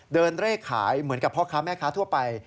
เดินเรียกขายเหมือนกับพ่อค้าแม่ค้าทั่วไป